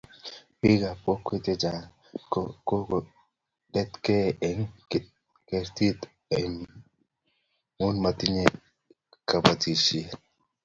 Biik ab kokwee che chang ko kotoretekei eng kertii emu motinye kapchoishe,